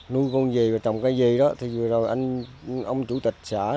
nuôi con dì và trồng cây dì đó vừa rồi ông chủ tịch xã